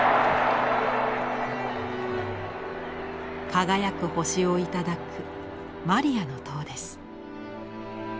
輝く星を頂くマリアの塔です。